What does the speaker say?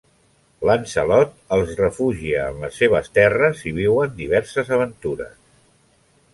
Lancelot els refugia en les seves terres i viuen diverses aventures.